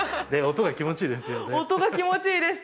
音が気持ちいいです